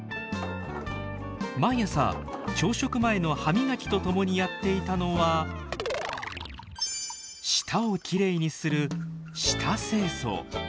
毎朝朝食前の歯磨きとともにやっていたのは舌をきれいにする舌清掃。